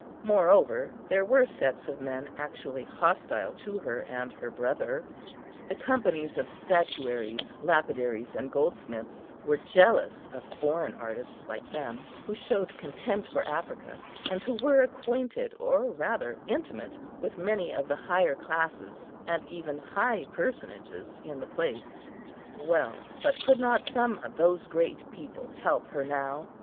Moreover, there were sets of men actually hostile to her and her brother; the companies of statuaries, lapidaries, and goldsmiths, were jealous of foreign artists like them, who showed contempt for Africa, and who were acquainted, or rather intimate, with many of the higher classes, and even high personages in the place. Well, but could not some of those great people help her now?